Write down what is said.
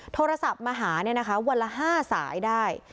โทรศัพท์มาหาเนี้ยนะคะวันละห้าสายได้